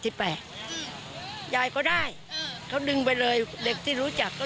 เค้าได้ดึงไปเลยเด็กที่รู้จักไปแล้ว